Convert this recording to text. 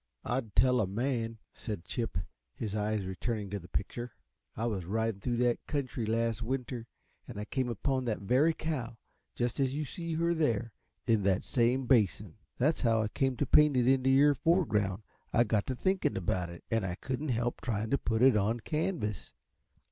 "I'd tell a man!" said Chip, his eyes returning to the picture. "I was riding through that country last winter, and I came upon that very cow, just as you see her there, in that same basin. That's how I came to paint it into your foreground; I got to thinking about it, and I couldn't help trying to put it on canvas.